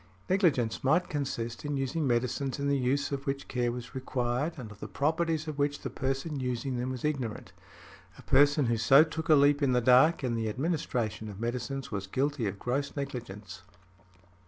Negligence might consist in using medicines in the use of which care was required, and of the properties of which the person using them was ignorant. A person who so took a leap in the dark in the administration of medicines, was guilty of gross negligence.